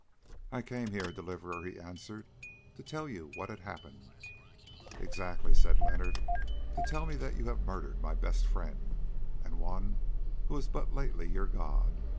"I came here, Deliverer," he answered, "to tell you what had happened." "Exactly," said Leonard, "to tell me that you have murdered my best friend, and one who was but lately your god.